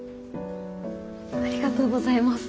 ありがとうございます。